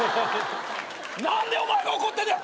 何でお前が怒ってんだよ！